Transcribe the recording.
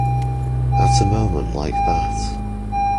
At a moment like that?